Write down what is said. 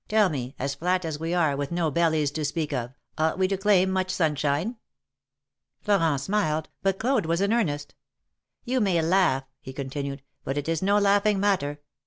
Tell me, as flat as we are, with no bellies to speak of, ought we to claim much sunshine?" Florent smiled, but Claude was in earnest. You may laugh," he continued, but it is no laughing matter.